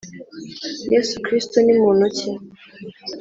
Yesu Kristo ni muntu ki?